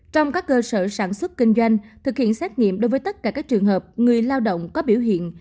trong các cơ sở sản xuất kinh doanh thực hiện xét nghiệm đối với tất cả các trường hợp người lao động có biểu hiện